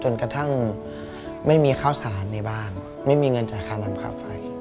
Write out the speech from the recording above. จนกระทั่งไม่มีคร่าวสานในบ้านไม่มีเงินจัดค้านำขาเฟ้ย